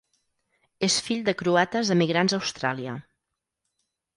És fill de croates emigrants a Austràlia.